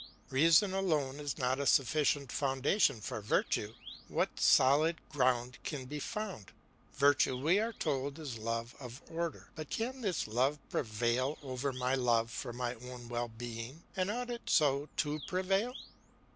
Reason alone is not a sufficient foundation for virtue; what solid ground can be found? Virtue we are told is love of order. But can this love prevail over my love for my own well being, and ought it so to prevail?